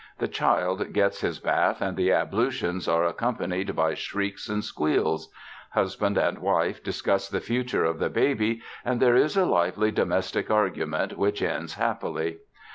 The child gets his bath and the ablutions are accompanied by shrieks and squeals. Husband and wife discuss the future of the baby and there is a lively domestic argument which ends happily.